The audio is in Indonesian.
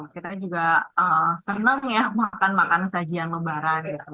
kita juga senang ya makan makan sajian lebaran gitu